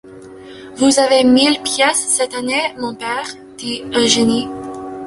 Vous avez mille pièces cette année, mon père? dit Eugénie.